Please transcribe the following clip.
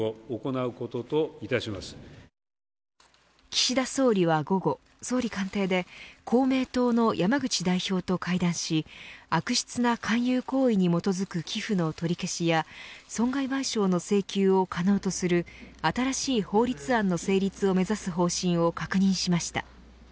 岸田総理は午後総理官邸で公明党の山口代表と会談し悪質な勧誘行為に基づく寄付の取り消しや損害賠償の請求を可能とする新しい法律案の成立を目指す方針を確認しました。